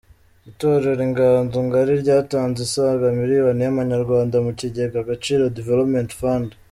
Itorero Inganzo ngari ryatanze asaga miliyoni y'amanyarwanda mu kigega Agaciro Development Fund.